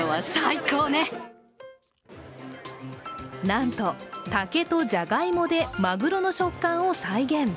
なんと、竹とじゃがいもでまぐろの食感を再現。